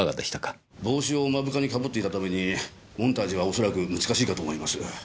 帽子を目深に被っていたためにモンタージュは恐らく難しいかと思います。